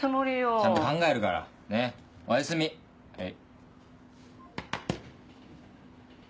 ちゃんと考えるからねっおやすみはい。